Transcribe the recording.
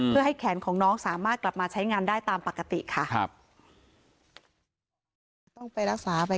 เพื่อให้แขนของน้องสามารถกลับมาใช้งานได้ตามปกติค่ะ